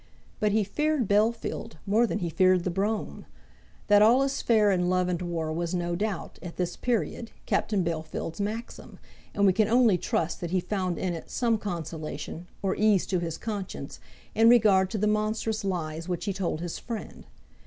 But he feared Bellfield more than he feared the brougham. That all is fair in love and war was no doubt, at this period, Captain Bellfield's maxim, and we can only trust that he found in it some consolation, or ease to his conscience, in regard to the monstrous lies which he told his friend.